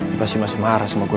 dia pasti masih marah sama gue